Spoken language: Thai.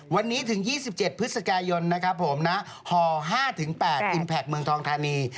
วันนี้ถึง๒๗พฤศจิกายนนะครับผมนะห่อ๕๘อิมแพคเมืองทองทานี